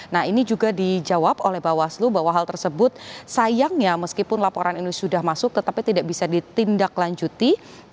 nah ini juga dijawab oleh bawaslu bahwa hal tersebut sayangnya meskipun laporan ini sudah masuk tetapi tidak bisa ditindaklanjuti